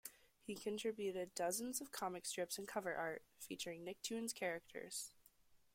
He contributed dozens of comic strips and cover art featuring Nicktoons characters.